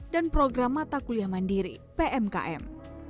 dan program mata kuliah mandiri pmkm